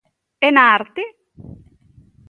E na arte?